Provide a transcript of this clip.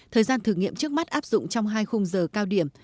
thời gian thử nghiệm trước mắt áp dụng trong hai khung giờ cao điểm